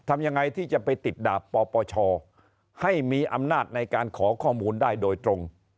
ทำยังไงที่จะไปติดดาบปปชให้มีอำนาจในการขอข้อมูลได้โดยตรง